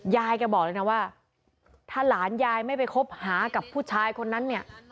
ยายแกบอกเลยนะว่าถ้าหลานยายไม่ไปคบหากับผู้ชายคนนั้นเนี่ย